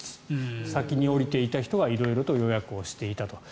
先に降りていた人は色々と予約をしていたと。